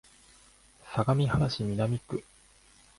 相模原市南区